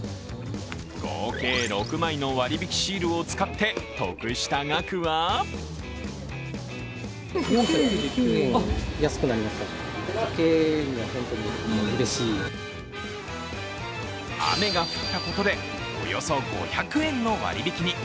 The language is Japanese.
合計６枚の割引きシールを使って得した額は雨が降ったことで、およそ５００円の割引に。